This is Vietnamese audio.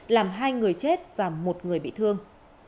làm hai người chết và một người bị thương